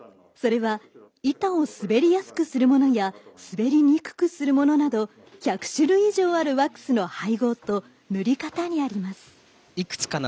それは板を滑りやすくするものや滑りにくくするものなど１００種類以上あるワックスの配合と塗り方にあります。